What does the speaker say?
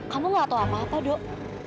kamu nggak tahu aku apa apa dok